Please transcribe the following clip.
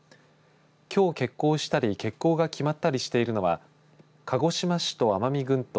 きょう欠航したり欠航が決まったりしているのは鹿児島市と奄美群島